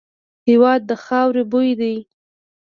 هېواد د خاوري بوی دی.